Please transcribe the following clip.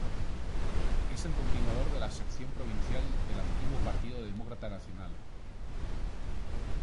Es el continuador de la sección provincial del antiguo Partido Demócrata Nacional.